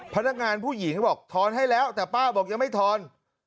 พนักงานผู้หญิงบอกทอนให้แล้วแต่ป้าบอกยังไม่ทอน